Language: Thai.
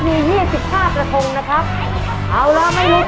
เอาละไม่มีกี่กระทงแล้วนะครับนับไปด้วยนับไปด้วยนะครับ